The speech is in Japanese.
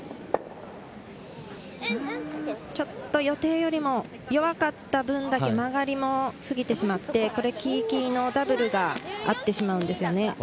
予定よりも弱かった分だけ曲がりも過ぎしまって黄、黄のダブルがあってしまうんですよね。